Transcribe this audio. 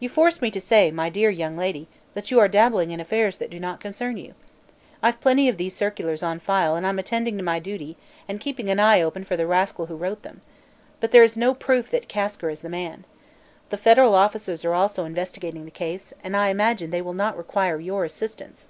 "You force me to say, my dear young lady, that you are dabbling in affairs that do not concern you. I've plenty of those circulars on file and I'm attending to my duty and keeping an eye open for the rascal who wrote them. But there is no proof that Kasker is the man. The federal officers are also investigating the case, and I imagine they will not require your assistance."